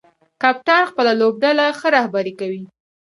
کپتان خپله لوبډله ښه رهبري کوي.